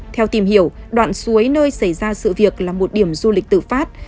theo tìm hiểu đoạn suối nơi xảy ra sự việc là một điểm du lịch tự phát